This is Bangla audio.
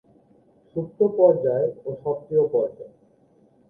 সুপ্ত পর্যায় ও সক্রিয় পর্যায়।